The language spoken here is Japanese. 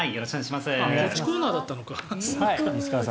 こっちのコーナーだったのか。